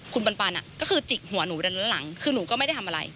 คุณปันก็คือจิกหัวหนูด้านหลังคือหนูก็ไม่ได้ทำอะไร